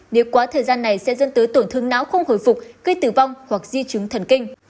nếu quá thời gian này sẽ dẫn tới tổn thương não không hồi phục gây tử vong hoặc di chứng thần kinh